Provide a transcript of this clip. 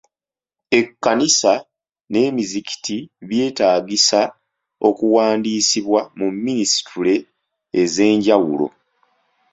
Ekkanisa n'emizikiti byetaagisa okuwandiisibwa mu minisitule ez'enjawulo.